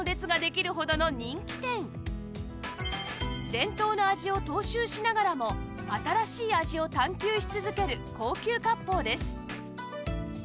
伝統の味を踏襲しながらも新しい味を探求し続ける高級割烹です